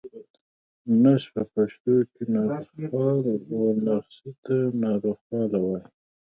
نرس ته په پښتو کې ناروغپال، او نرسې ته ناروغپاله وايي.